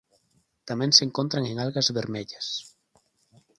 Tamén se encontran en algas vermellas.